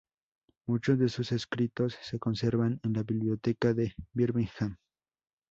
Muchos de sus escritos se conservan en la biblioteca de Birmingham.